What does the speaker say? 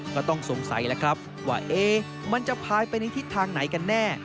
ก็ต้องสงสัยแล้วครับว่ามันจะพายไปในทิศทางไหนกันแน่